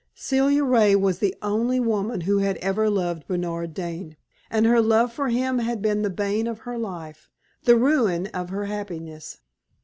Celia Ray was the only woman who had ever loved Bernard Dane. And her love for him had been the bane of her life, the ruin of her happiness.